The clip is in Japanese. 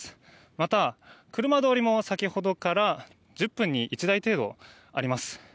また、車通りも先ほどから１０分に１台程度あります。